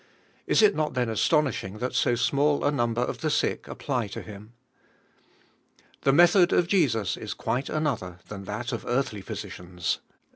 Is it not then astonishing that so small a number of the sick apply to Him? The method of Jesus is quite another ilia u that of earthly physicians.